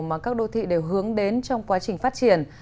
mà các đô thị đều hướng đến trong quá trình phát triển